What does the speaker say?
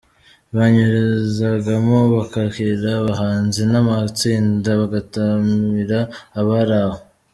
Banyuzagamo bakakira abahanzi n'amatsinda bagataramira abari aho.